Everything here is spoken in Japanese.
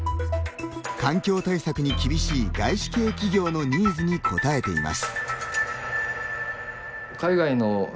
環境対策に厳しい外資系企業のニーズに応えています。